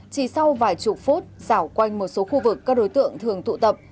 chỉ sau vài chục phút xảo quanh một số khu vực các đối tượng thường tụ tập